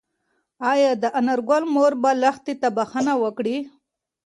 ايا د انارګل مور به لښتې ته بښنه وکړي؟